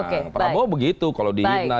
oke baik prabowo begitu kalau dihina